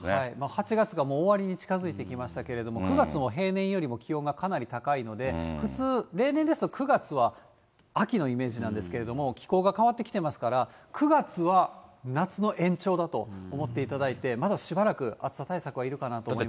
８月がもう終わりに近づいてきましたけれども、９月も平年よりも気温がかなり高いので、普通、例年ですと９月は秋のイメージなんですけれども、気候が変わってきていますから、９月は夏の延長だと思っていただいて、まだしばらく暑さ対策はいるかなと思います。